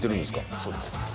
そうです。